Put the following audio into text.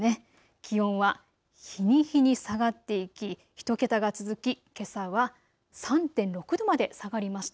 気温は日に日に下がっていき１桁が続きけさは３．６度まで下がりました。